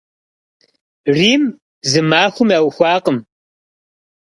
Рим зы махуэм яухуакъым.